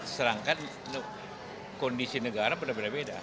serangkan kondisi negara berbeda beda